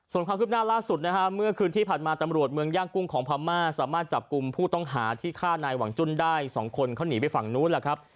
ส่วนความคืบหน้าล่าสุดนะฮะเมื่อคืนที่ผ่านมาตำรวจเมืองย่างกุ้งของพม่าสามารถจับกลุ่มผู้ต้องหาที่ฆ่านายหวังจุ้นได้๒คนเขาหนีไปฝั่งนู้นแหละครับ